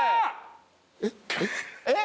えっ？